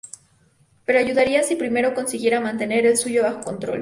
Pero ayudaría si primero consiguiera mantener el suyo bajo control".